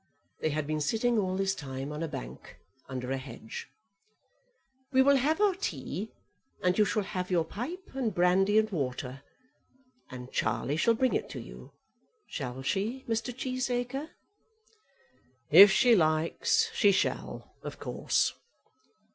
They had been sitting all this time on a bank, under a hedge. "We will have our tea, and you shall have your pipe and brandy and water, and Charlie shall bring it to you. Shall she, Mr. Cheesacre?" "If she likes she shall, of course."